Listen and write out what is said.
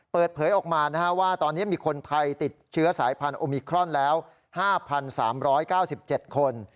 เปิดเผยออกมาว่าตอนนี้มีคนไทยติดเชื้อสายพันธุมิครอนแล้ว๕๓๙๗คน